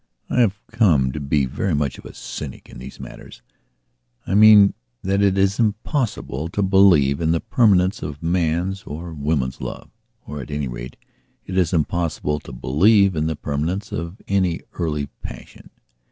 I have come to be very much of a cynic in these matters; I mean that it is impossible to believe in the permanence of man's or woman's love. Or, at any rate, it is impossible to believe in the permanence of any early passion.